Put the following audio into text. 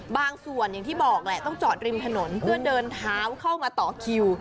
อย่างที่บอกแหละต้องจอดริมถนนเพื่อเดินเท้าเข้ามาต่อคิว